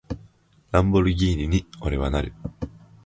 ランボルギーニに、俺はなる！